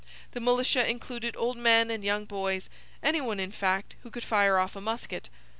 The militia included old men and young boys, any one, in fact, who could fire off a musket.